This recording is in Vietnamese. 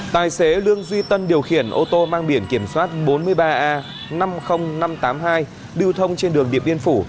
tài xế lương duy tân điều khiển ô tô mang biển kiểm soát bốn mươi ba a năm mươi nghìn năm trăm tám mươi hai lưu thông trên đường điện biên phủ